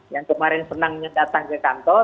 yang kemarin senangnya datang ke kantor